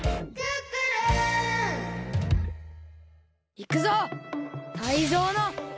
いくぞ！